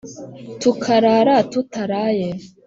tukarara tutaraye